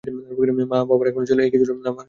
মা বাবার একমাত্র ছেলে এই কিশোরের নাম আদনান ইসফার।